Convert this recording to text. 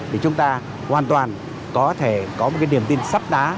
thì chúng ta hoàn toàn có thể có một cái niềm tin sắt đá